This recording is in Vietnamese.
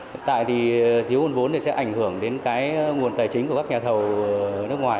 hiện tại thì thiếu vốn vốn sẽ ảnh hưởng đến nguồn tài chính của các nhà thầu nước ngoài